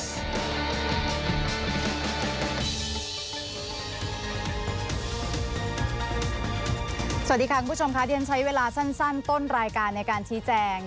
สวัสดีค่ะคุณผู้ชมค่ะเรียนใช้เวลาสั้นต้นรายการในการชี้แจง